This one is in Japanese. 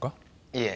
いえ。